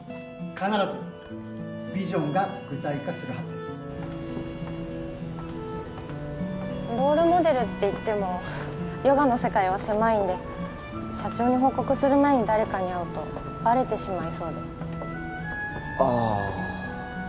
必ずビジョンが具体化するはずです「ロールモデル」っていってもヨガの世界は狭いんで社長に報告する前に誰かに会うとバレてしまいそうでああ